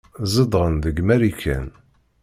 Zedɣen deg Marikan.